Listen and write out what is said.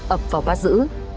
ấp vào bát giữ